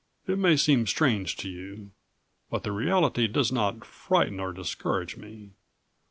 It may seem strange to you, but the reality does not frighten or discourage me.